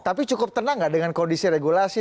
tapi cukup tenang gak dengan kondisi regulasi